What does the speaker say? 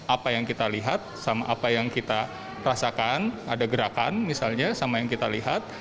apa yang kita lihat sama apa yang kita rasakan ada gerakan misalnya sama yang kita lihat